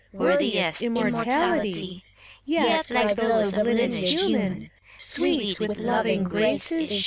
Worthiest immortality, Yet, like those of lineage human, Sweet with loving grace is she.